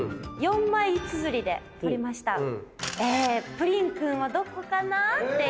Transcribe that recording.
プリンくんはどこかな？っていう。